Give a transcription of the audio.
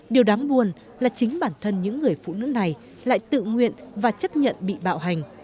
điều đáng buồn là chính bản thân những người phụ nữ này lại tự nguyện và chấp nhận bị bạo hành